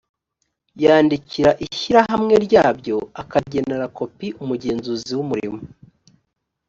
yandikira ishyirahamwe ryabyo, akagenera kopi umugenzuzi w’umurimo